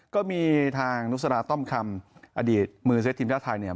ก็มีทางนุสราต้อมคำอดีตมือเซตทีมชาติไทยเนี่ย